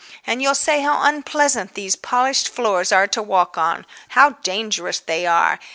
And you'll say how unpleasant these polished floors are to walk on, how dangerous they are.